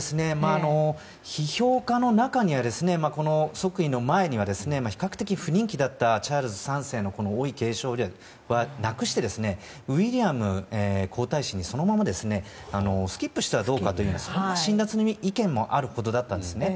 批評家の中には即位の前には比較的不人気だったチャールズ３世の王位継承をなくして、ウィリアム皇太子にスキップしてはどうかという辛辣な意見もあるほどだったんですね。